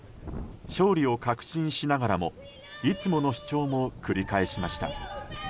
勝利を確信しながらもいつもの主張も繰り返しました。